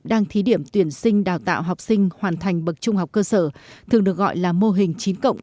đang thí điểm tuyển sinh đào tạo học sinh hoàn thành bậc trung học cơ sở thường được gọi là mô hình chín